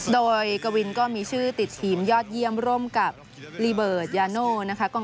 โดยกวินก็มีชื่อติดทีมยอดเยี่ยมร่วมกับลีเบิร์ดยาโน่นะคะ